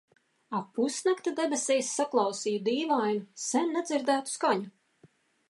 Ap pusnakti debesīs saklausīju dīvainu, sen nedzirdētu skaņu.